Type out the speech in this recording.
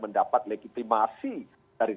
mendapat legitimasi dari